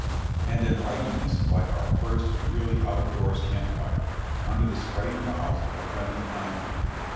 and am writing this by our first really out of doors camp fire, under the spreading boughs of a friendly pine tree.